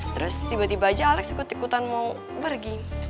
terus tiba tiba aja alex ikut ikutan mau pergi